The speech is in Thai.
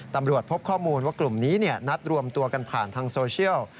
ตำรวจพบข้อมูลว่ากลุ่มนี้นัดรวมตัวกันผ่านทางโซเชียล